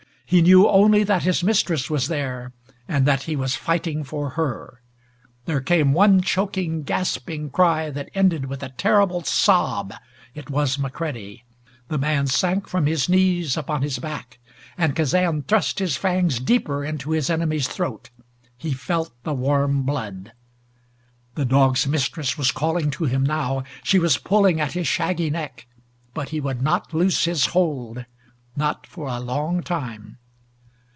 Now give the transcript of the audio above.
He knew only that his mistress was there, and that he was fighting for her. There came one choking gasping cry that ended with a terrible sob; it was McCready. The man sank from his knees upon his back, and Kazan thrust his fangs deeper into his enemy's throat; he felt the warm blood. The dog's mistress was calling to him now. She was pulling at his shaggy neck. But he would not loose his hold not for a long time.